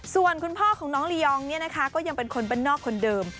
ส่วนคุณพ่อของน้องลียองเนี่ยนะคะก็ยังเป็นคนบ้านนอกคนเดิม